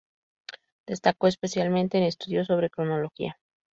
Destacó especialmente en estudios sobre Cronología.